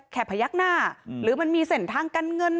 แค่พยักหน้าหรือมันมีเสร็จทางกันเงิน